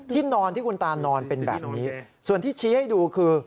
นอนที่คุณตานอนเป็นแบบนี้ส่วนที่ชี้ให้ดูคือ